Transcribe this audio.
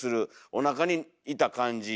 おなかにいた感じ。